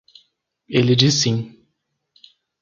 Ele diz sim.